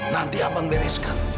nanti abang bereskan